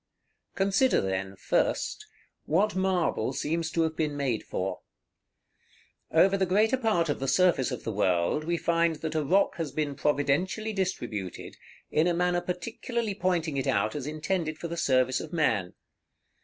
§ XLI. Consider, then, first, what marble seems to have been made for. Over the greater part of the surface of the world, we find that a rock has been providentially distributed, in a manner particularly pointing it out as intended for the service of man.